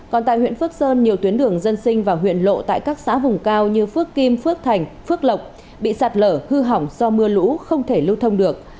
còn tại huyện phước sơn nhiều tuyến đường dân sinh và huyện lộ tại các xã vùng cao như phước kim phước thành phước lộc bị sạt lở hư hỏng do mưa lũ không thể lưu thông được